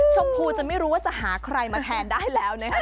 ชมพูจะไม่รู้ว่าจะหาใครมาแทนได้แล้วนะครับ